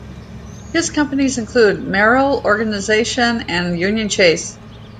His companies include Meroil Organisation and Union Chase.